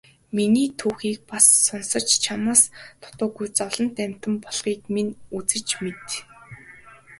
Миний түүхийг бас сонсож чамаас дутуугүй зовлонт амьтан болохыг минь үзэж мэд.